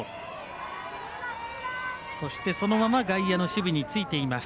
そのまま外野の守備についています。